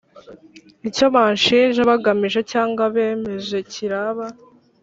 icyo banshinja bagamije Cyangwa bemeje kiraba